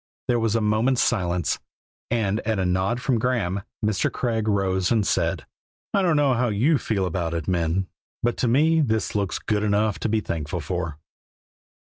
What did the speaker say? There was a moment's silence, and at a nod from Graeme Mr. Craig rose and said: "I don't know how you feel about it, men, but to me this looks good enough to be thankful for."